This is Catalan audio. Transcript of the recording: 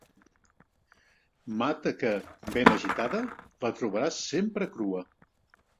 Mata que, ben agitada, la trobaràs sempre crua.